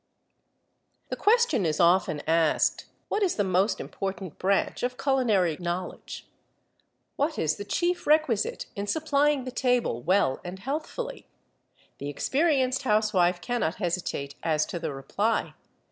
THE question is often asked, "What is the most important branch of culinary knowledge? What the chief requisite in supplying the table well and healthfully?" The experienced housewife cannot hesitate as to the reply.